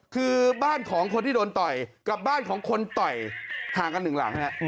คือบ้านของคนที่โดนต่อยกับบ้านของคนต่อยห่างกันหนึ่งหลังฮะ